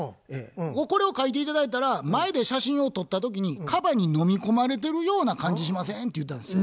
「これを描いて頂いたら前で写真を撮った時にカバに飲み込まれてるような感じしません？」って言ったんですよ。